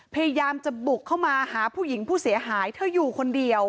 พยายามจะบุกเข้ามาหาผู้หญิงผู้เสียหายเธออยู่คนเดียว